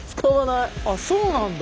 あそうなんだ。